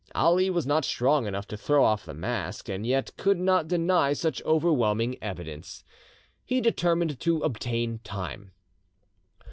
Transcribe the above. Ali was not strong enough to throw off the mask, and yet could not deny such overwhelming evidence. He determined to obtain time.